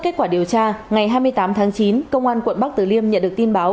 kết quả điều tra ngày hai mươi tám tháng chín công an quận bắc tử liêm nhận được tin báo